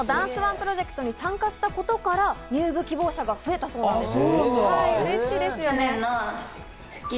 去年のダンスＯＮＥプロジェクトに参加したことから入部希望者が増えたそうなんです。